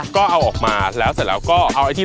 ก็เอาออกมาแล้วเสร็จแล้วก็เอาไอ้ที่